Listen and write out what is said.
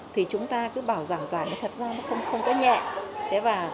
thì chúng ta cứ bảo rằng cả